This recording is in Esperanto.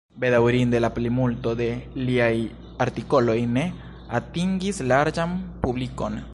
Bedaŭrinde, la plimulto de liaj artikoloj ne atingis larĝan publikon.